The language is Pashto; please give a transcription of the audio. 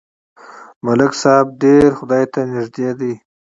ملک صاحب ډېر خدای ته نږدې دی.